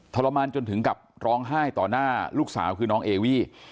ทรมานจนถึงกับร้องไห้ต่อหน้าลูกสาวคือน้องเอวี่